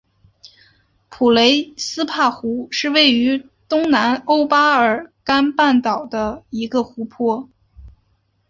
普雷斯帕湖是位于东南欧巴尔干半岛上的一个湖泊。